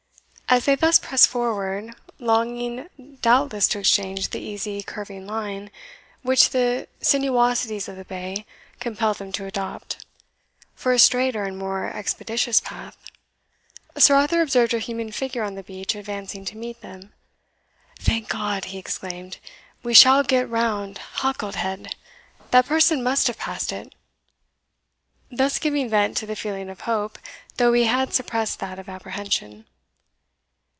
As they thus pressed forward, longing doubtless to exchange the easy curving line, which the sinuosities of the bay compelled them to adopt, for a straighter and more expeditious path, Sir Arthur observed a human figure on the beach advancing to meet them. "Thank God," he exclaimed, "we shall get round Halket head! that person must have passed it;" thus giving vent to the feeling of hope, though he had suppressed that of apprehension.